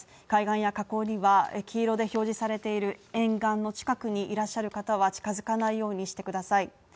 海岸や河口には黄色で表示されている沿岸の近くにいらっしゃる方は近づかないようにしてください。